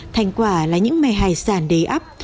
thành quả là những mè hải sản đầy ấp